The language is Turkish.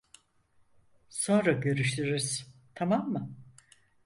Sonra görüşürüz tamam mı?